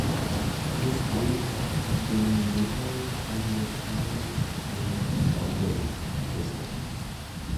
This "reeve" has been described as "the pivot man of the manorial system".